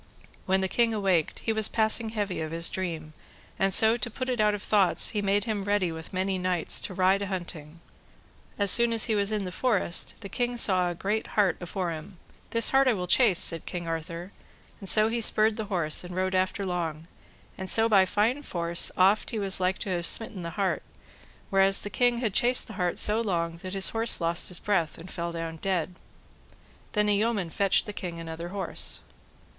When the king awaked, he was passing heavy of his dream, and so to put it out of thoughts, he made him ready with many knights to ride a hunting. As soon as he was in the forest the king saw a great hart afore him. This hart will I chase, said King Arthur, and so he spurred the horse, and rode after long, and so by fine force oft he was like to have smitten the hart; whereas the king had chased the hart so long, that his horse lost his breath, and fell down dead. Then a yeoman fetched the king another horse.